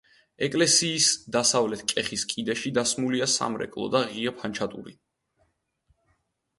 ეკლესიის დასავლეთ კეხის კიდეში დასმულია სამრეკლო, ღია ფანჩატურით.